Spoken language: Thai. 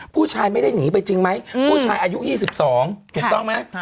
ผู้ชายไม่ได้หนีไปจริงไหมผู้ชายอายุ๒๒ถูกต้องไหม